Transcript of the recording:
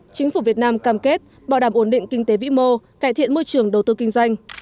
chính phủ việt nam cam kết bảo đảm ổn định kinh tế vĩ mô cải thiện môi trường đầu tư kinh doanh